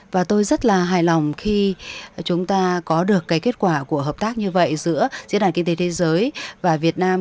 và tôi rất là hài lòng khi chúng ta có được cái kết quả của hợp tác như vậy giữa diễn đàn kinh tế thế giới và việt nam